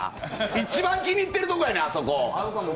一番気に入ってるところやねん。